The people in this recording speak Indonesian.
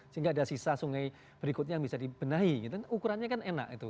sehingga ada sisa sungai berikutnya yang bisa dibenahi ukurannya kan enak itu